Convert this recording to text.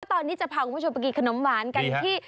ตอนนี้จะพาคุณผู้ชมไปกินขนมหวานกันที่